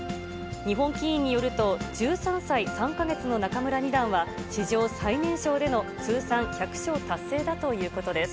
日本棋院によると、１３歳３か月の仲邑二段は、史上最年少での通算１００勝達成だということです。